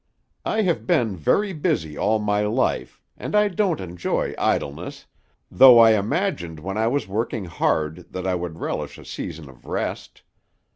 I have been very busy all my life, and I don't enjoy idleness, though I imagined when I was working hard that I would relish a season of rest.